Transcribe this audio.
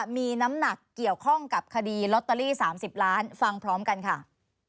มีน้ำหนักเกี่ยวข้องกับคดีลอตเตอรี่๓๐ล้านฟังพร้อมกันค่ะ